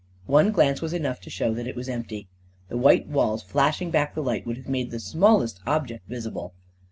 One glance was enough to show that it was empty. The white walls, flashing back the light, would have made the smallest object visible.